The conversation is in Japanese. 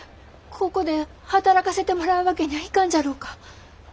ここで働かせてもらうわけにゃあいかんじゃろうか。